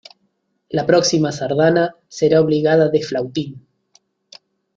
La próxima sardana será obligada de flautín.